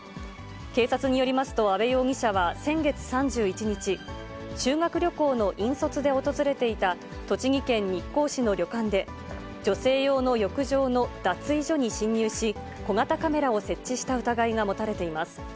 警察によりますと、阿部容疑者は先月３１日、修学旅行の引率で訪れていた栃木県日光市の旅館で、女性用の浴場の脱衣所に侵入し、小型カメラを設置した疑いが持たれています。